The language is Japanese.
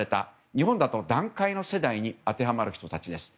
日本だと団塊の世代に当てはまる人たちです。